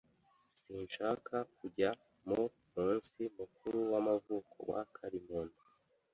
Sinshaka kujya mu munsi mukuru w'amavuko wa Karimunda.